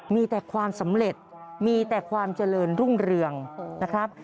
มีแต่ความสำเร็จมีแต่ความเจริญรุ่งเรืองนะครับ